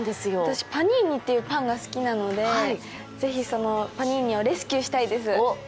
私、パニーニというパンが好きなのでぜひパニーニをレスキューしたいです。